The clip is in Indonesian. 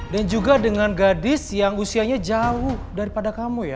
dan juga dengan gadis yang usianya jauh daripada kamu ya